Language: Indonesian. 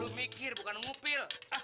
lu mikir bukan ngupil